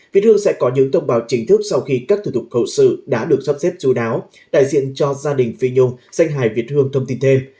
vết thương sẽ có những thông báo chính thức sau khi các thủ tục hậu sự đã được sắp xếp chú đáo đại diện cho gia đình phi nhung danh hài việt hương thông tin thêm